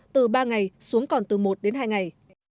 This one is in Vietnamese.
từ ba ngày xuống còn từ một đến hai ngày